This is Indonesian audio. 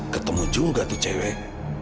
ketemu juga tuh cewek